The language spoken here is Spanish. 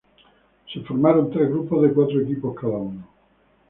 Se formaron tres grupos de cuatro equipos cada uno.